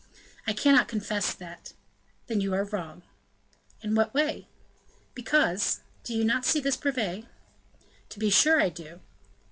"I cannot confess that." "Then you are wrong." "In what way?" "Because do you not see this brevet?" "To be sure I do."